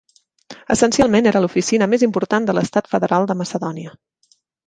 Essencialment era l'oficina més important de l'estat federal de Macedonia.